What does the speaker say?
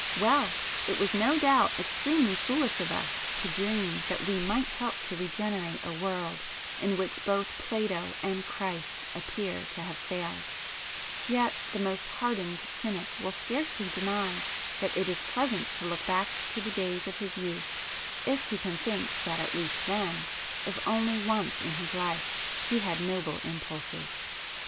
Well! it was no doubt extremely foolish of us to dream that we might help to regenerate a world in which both Plato and [p 9] Christ appear to have failed,—yet the most hardened cynic will scarcely deny that it is pleasant to look back to the days of his youth if he can think that at least then, if only once in his life, he had noble impulses.